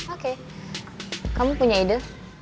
oke kamu punya ide